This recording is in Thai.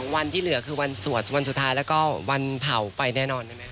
วันที่เหลือคือวันสวดวันสุดท้ายแล้วก็วันเผาไปแน่นอนใช่ไหมค